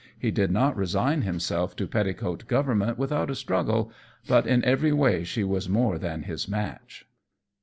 He did not resign himself to petticoat government without a struggle, but in every way she was more than his match.